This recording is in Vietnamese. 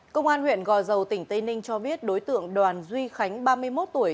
công an huyện gò dầu tỉnh tây ninh cho biết đối tượng đoàn duy khánh ba mươi một tuổi